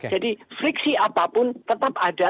jadi friksi apapun tetap ada